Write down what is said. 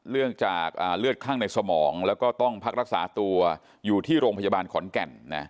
เนื่องจากเลือดข้างในสมองแล้วก็ต้องพักรักษาตัวอยู่ที่โรงพยาบาลขอนแก่น